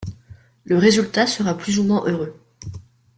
Le résultat sera plus ou moins heureux.